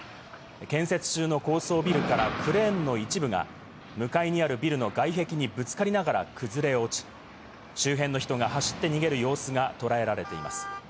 建設中の高層ビルからクレーンの一部が向かいにあるビルの外壁にぶつかりながら崩れ落ち、周辺の人が走って逃げる様子が捉えられています。